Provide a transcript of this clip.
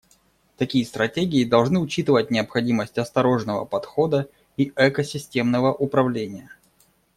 Такие стратегии должны учитывать необходимость осторожного подхода и экосистемного управления.